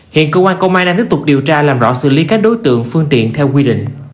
hiện cơ quan công an đang tiếp tục điều tra làm rõ xử lý các đối tượng phương tiện theo quy định